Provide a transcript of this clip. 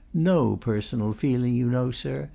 No personal feeling, you know, sir.